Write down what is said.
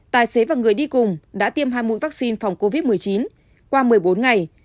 tài xế và người đi cùng đã tiêm hai mũi vaccine phòng covid một mươi chín qua một mươi bốn ngày